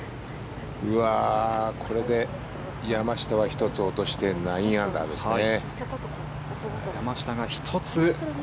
これで山下は１つ落として９アンダーですね。